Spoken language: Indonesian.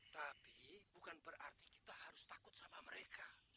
tapi bukan berarti kita harus takut sama mereka